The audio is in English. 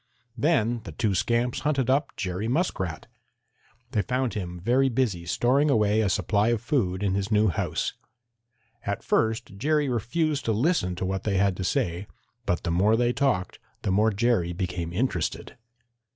Then the two scamps hunted up Jerry Muskrat. They found him very busy storing away a supply of food in his new house. At first Jerry refused to listen to what they had to say, but the more they talked the more Jerry became interested.